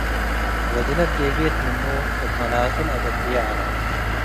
ወድላ ትጌጌት ምኑ' እብ መላጹ ለአበድ'የ ዐለ።